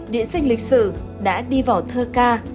điện sinh lịch sử đã đi vào thơ ca